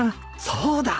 そうだ！